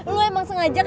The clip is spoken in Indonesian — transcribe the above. lo emang sengaja kan